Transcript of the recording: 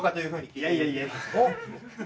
いやいやいや。